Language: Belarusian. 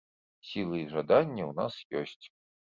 Сілы і жаданне ў нас ёсць.